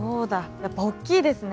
やっぱ大きいですね。